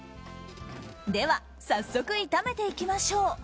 では早速、炒めていきましょう。